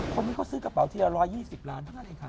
คนมีเขาซื้อกระเป๋าที่๑๒๐ล้านบาทเลยค่ะ